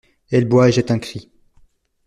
Elle boit et jette un cri.